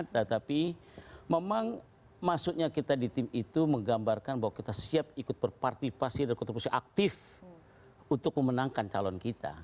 tetapi memang masuknya kita di tim itu menggambarkan bahwa kita siap ikut berpartisipasi dan kontribusi aktif untuk memenangkan calon kita